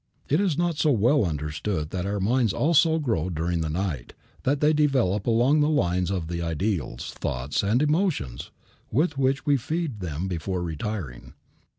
It is not so well understood that our minds also grow during the night; that they develop along the lines of the ideals, thoughts and emotions with which we feed them before retiring.